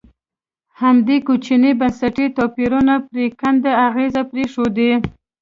همدې کوچنیو بنسټي توپیرونو پرېکنده اغېزې پرېښودې.